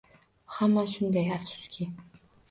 Hamma shunday, afsuski